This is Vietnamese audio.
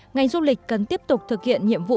ngành du lịch cần tiếp tục thực hiện nhiệm vụ